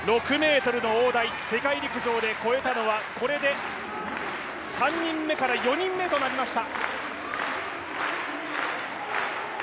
６ｍの大台、世界陸上で越えたのはこれで３人目から４人目となりました。